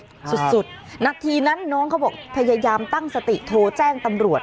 สุดสุดนาทีนั้นน้องเขาบอกพยายามตั้งสติโทรแจ้งตำรวจ